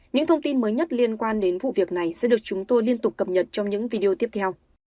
những thông tin mới nhất liên quan đến vụ việc này sẽ được chúng tôi liên tục cập nhật trong những video tiếp theo